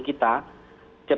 kita kan lapangan kerja